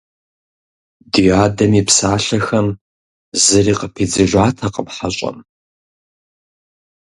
Ди адэм и псалъэхэм зыри къыпидзыжатэкъым хьэщӀэм.